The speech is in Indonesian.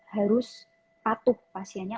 harus patuh pasiennya